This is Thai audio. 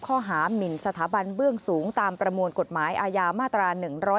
หมินสถาบันเบื้องสูงตามประมวลกฎหมายอาญามาตรา๑๑๒